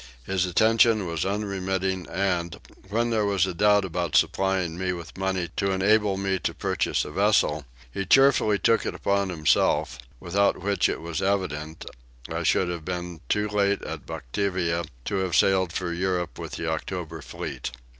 His attention was unremitting and, when there was a doubt about supplying me with money to enable me to purchase a vessel, he cheerfully took it upon himself; without which it was evident, I should have been too late at Batavia to have sailed for Europe with the October fleet.